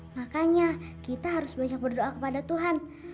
makanya kita harus banyak berdoa kepada tuhan